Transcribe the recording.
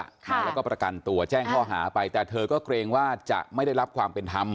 แล้วก็ประกันตัวแจ้งข้อหาไปแต่เธอก็เกรงว่าจะไม่ได้รับความเป็นธรรม